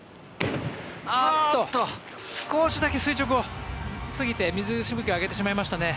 少しだけ垂直を過ぎて水しぶきを上げてしまいましたね。